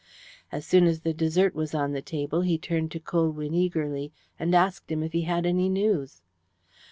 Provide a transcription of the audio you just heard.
As soon as the dessert was on the table he turned to Colwyn eagerly and asked him if he had any news.